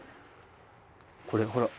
これほら。